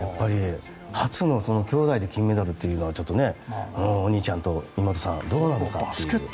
初の兄妹で金メダルというのはお兄ちゃんと妹さんどうなのかって。